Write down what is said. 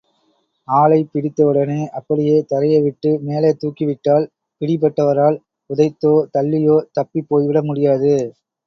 ஆளைப் பிடித்தவுடனே, அப்படியே தரையை விட்டு மேலே தூக்கிவிட்டால், பிடிபட்டவரால் உதைத்தோ, தள்ளியோ தப்பிப்போய்விட முடியாது.